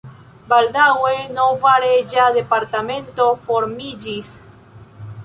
Baldaŭe nova reĝa departemento formiĝis.